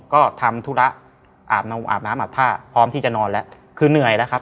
ก็ทำธุระอาบน้ำอาบน้ำอาบท่าพร้อมที่จะนอนแล้วคือเหนื่อยแล้วครับ